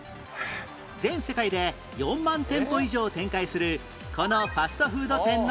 全世界で４万店舗以上を展開するこのファストフード店の名前は？